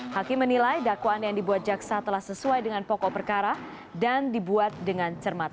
hakim menilai dakwaan yang dibuat jaksa telah sesuai dengan pokok perkara dan dibuat dengan cermat